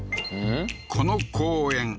この公園